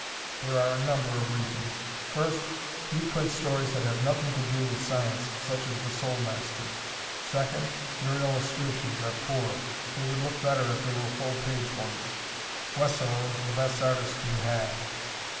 There are a number of reasons. First, you print stories that have nothing to do with science, such as "The Soul Master." Second, your illustrations are poor. They would look better if they were full page ones. Wesso is the best artist you have.